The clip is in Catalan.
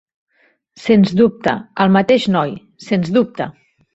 Sens dubte, el mateix noi, sens dubte!